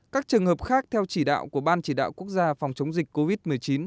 các trường hợp khác theo chỉ đạo của ban chỉ đạo quốc gia phòng chống dịch covid một mươi chín